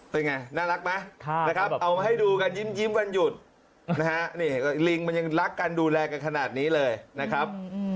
เป็นไงน่ารักไหมนะครับเอามาให้ดูกันยิ้มวันหยุดนะฮะนี่ลิงมันยังรักกันดูแลกันขนาดนี้เลยนะครับ